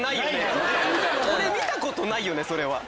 俺見たことないよねそれは。